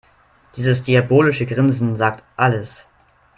Dieses diabolische Grinsen sagt alles.